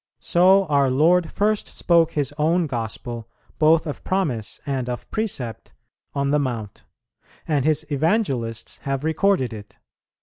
So our Lord first spoke His own Gospel, both of promise and of precept, on the Mount, and His Evangelists have recorded it.